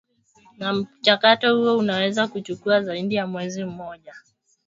na mchakato huo unaweza kuchukua zaidi ya mwezi mmoja